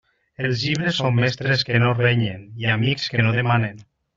Els llibres són mestres que no renyen i amics que no demanen.